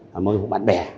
mâu thuẫn bạn bè